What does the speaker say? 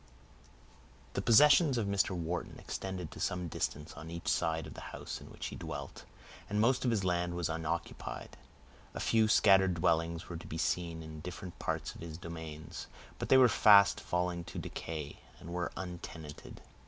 The possessions of Mr. Wharton extended to some distance on each side of the house in which he dwelt, and most of his land was unoccupied. A few scattered dwellings were to be seen in different parts of his domains, but they were fast falling to decay, and were untenanted.